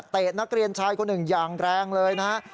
นักเรียนชายคนหนึ่งอย่างแรงเลยนะฮะ